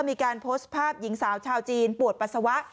มีการโพสต์ภาพหญิงสาวชาวจีนปวดปัสสาวะ